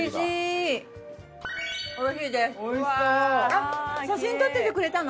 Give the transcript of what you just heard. あっ写真撮っててくれたの？